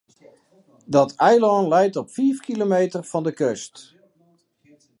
Dat eilân leit op fiif kilometer fan de kust.